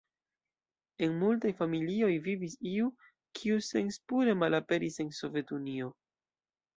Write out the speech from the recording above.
En multaj familioj vivis iu, kiu senspure malaperis en Sovetunio.